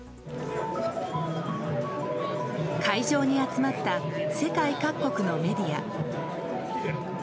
会場に集まった世界各国のメディア。